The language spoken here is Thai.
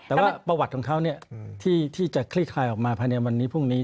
แต่ว่าประวัติของเขาที่จะคลี่คลายออกมาภายในวันนี้พรุ่งนี้